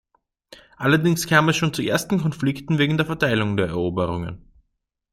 Allerdings kam es schon zu ersten Konflikten wegen der Verteilung der Eroberungen.